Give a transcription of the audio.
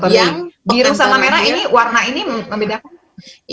biru sama merah ini warna ini membedakan